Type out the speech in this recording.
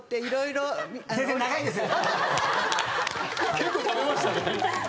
結構食べましたね。